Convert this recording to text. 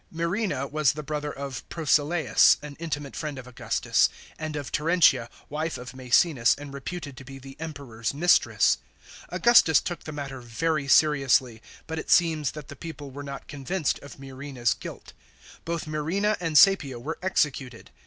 Murena was the brother of Proculeius,* an intimate friend of Augustus, and of Terentia, wife of Maecenas and reputed to be the Kmperor's mistress. Augustus took the matter very seriously, but it seems that the people were not convinced of Murena's guilt. Both Murena and Csepio were executed.